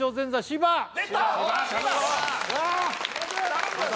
頼むよ